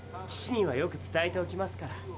父にはよく伝えておきますから。